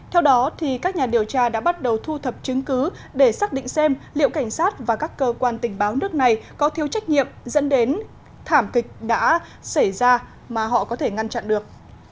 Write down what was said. theo đó các nhà điều tra đã bắt đầu thu thập chứng cứ để xác định xem liệu cảnh sát và các cơ quan tình báo nước này có thiếu trách nhiệm dẫn đến thảm kịch đã xảy ra mà họ có thể ngăn chặn được